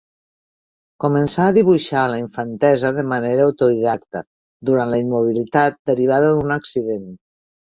Començà a dibuixar a la infantesa de manera autodidàctica, durant la immobilitat derivada d'un accident.